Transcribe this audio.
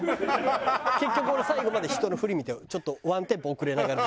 結局俺最後まで人の振り見てちょっとワンテンポ遅れながらずっと本番まで。